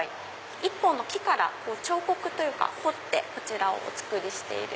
１本の木から彫刻というか彫ってこちらをお作りしている。